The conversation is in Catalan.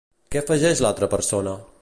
Què afegeix l'altra persona?